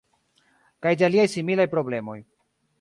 Kaj de aliaj similaj problemoj.